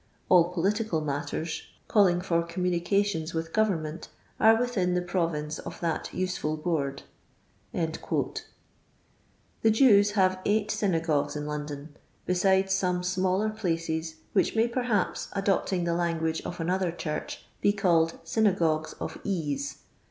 All political matters, calling for communications with govern ment, are within the province of that useful board." The Jews have eight synagogues in London, besides some smaller places which may perhaps, adopting the hnguage of another church, be called synagogues of ease.